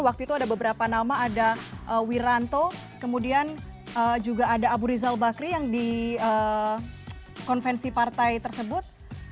waktu itu ada beberapa nama ada wiranto kemudian juga ada abu rizal bakri yang di konvensi partai tersebut